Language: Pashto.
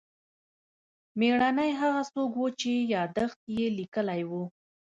مېړنی هغه څوک و چې یادښت یې لیکلی و.